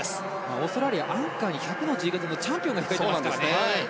オーストラリアアンカーに１００の自由形のチャンピオンが控えてますからね。